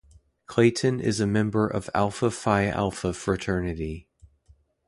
Clayton is a member of Alpha Phi Alpha fraternity.